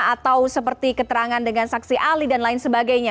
atau seperti keterangan dengan saksi ahli dan lain sebagainya